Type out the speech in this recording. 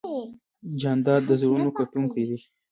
جانداد د زړونو ګټونکی دی.